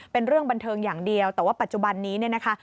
เป็นเรื่องบันเทิงอย่างเดียวแต่ว่าปัจจุบันนี้เนี่ยนะคะ